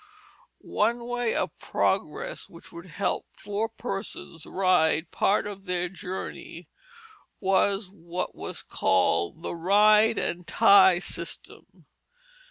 One way of progress which would help four persons ride part of their journey was what was called the ride and tie system.